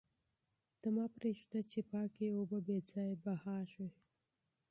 ته مه پرېږده چې پاکې اوبه بې ځایه بهېږي.